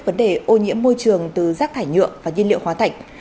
vấn đề ô nhiễm môi trường từ rác thải nhựa và nhiên liệu hóa thạch